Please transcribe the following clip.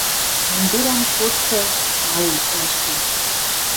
Мӹндӹрӓн кодшы майым ӓштен